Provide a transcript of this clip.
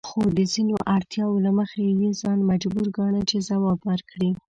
خو د ځینو اړتیاوو له مخې یې ځان مجبور ګاڼه چې ځواب ورکړي.